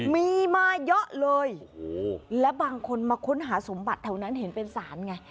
มีมาเยอะเลยและบางคนมาค้นหาสมบัติแถวนั้นเห็นเป็นศาลไง